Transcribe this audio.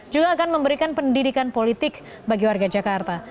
juga akan memberikan pendidikan politik bagi warga jakarta